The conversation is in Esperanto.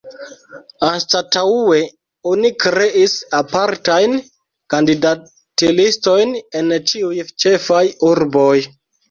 Anstataŭe oni kreis apartajn kandidatlistojn en ĉiuj ĉefaj urboj.